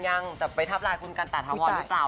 ยังแต่ไปทับไลน์คุณกันตาถาวรหรือเปล่า